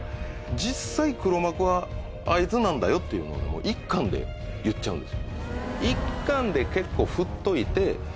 実際黒幕はあいつなんだよっていうのを１巻で言っちゃうんです